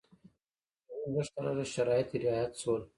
د څېړنې لږ تر لږه شرایط رعایت شول.